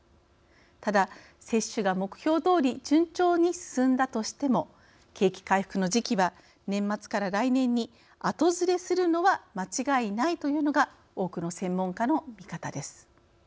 ただ、接種が目標どおり順調に進んだとしても景気回復の時期は年末から来年に後ずれするのは間違いないというのが多くの専門家の見方です。